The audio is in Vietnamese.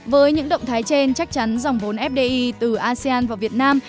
với những động thái trên chắc chắn dòng vốn fdi từ asean vào việt nam